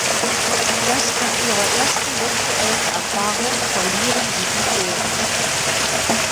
Erst nach ihrer ersten sexuellen Erfahrung verlieren sie die Ohren.